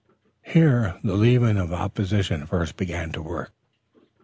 Here the leaven of opposition first began to work.